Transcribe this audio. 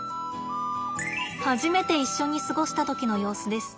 初めて一緒に過ごした時の様子です。